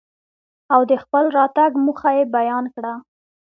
او دخپل راتګ موخه يې بيان کره.